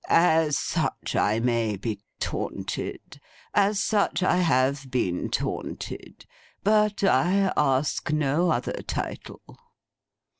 'As such I may be taunted. As such I have been taunted. But I ask no other title.